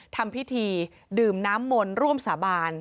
ทำพิธีดื่มน้ำมนต์ร่วมสาบาน